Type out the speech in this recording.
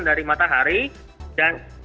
dari matahari dan